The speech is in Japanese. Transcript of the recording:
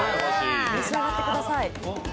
召し上がってください。